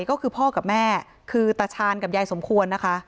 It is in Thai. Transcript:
ก็คือพ่อกับแม่คือตาชาญกับยายสมควรนะคะ